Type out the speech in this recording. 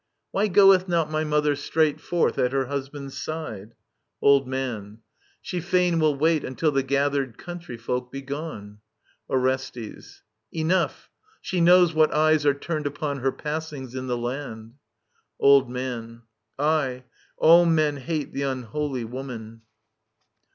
Why goeth not my mother straight Forth at her husband's side ? Old Man. She fain will wait Until the gathered country folk be gone. Orestes. Enough I She knows what eyes are turned upon Her passings in the land ! Old Man. Aye, all men hate The unholy woman.